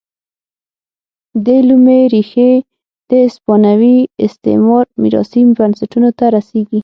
دې لومې ریښې د هسپانوي استعمار میراثي بنسټونو ته رسېږي.